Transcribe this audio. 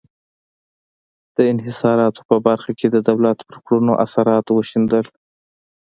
د انحصاراتو په برخه کې د دولت پر کړنو اثرات وښندل.